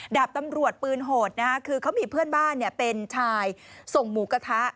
ดาบตำรวจปืนโหดคือเขามีเพื่อนบ้านเป็นชายส่งหมูกระทะ